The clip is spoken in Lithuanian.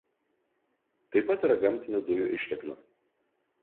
Taip pat yra gamtinių dujų išteklių.